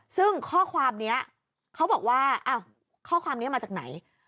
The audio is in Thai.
ซึ่งข้อความนี้เขาบอกว่าข้อความนี้มาจากไหน